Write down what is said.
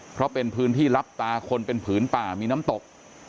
เพราะเป็นพื้นที่รับตาคนเป็นผืนป่ามีน้ำตก